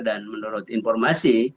dan menurut informasi